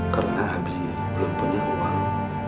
karena abi belum punya uang